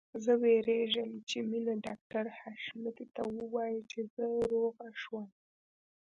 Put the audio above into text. زه وېرېږم چې مينه ډاکټر حشمتي ته ووايي چې زه روغه شوم